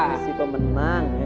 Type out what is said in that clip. ya istri pemenang